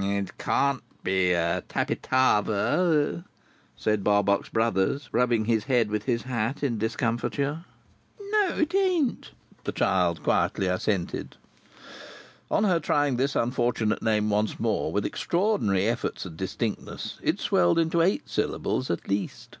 "It can't be Tappitarver?" said Barbox Brothers, rubbing his head with his hat in discomfiture. "No! It ain't," the child quietly assented. On her trying this unfortunate name once more, with extraordinary efforts at distinctness, it swelled into eight syllables at least.